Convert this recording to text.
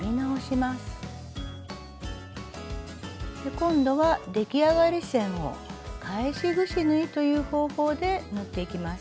今度は出来上がり線を「返しぐし縫い」という方法で縫っていきます。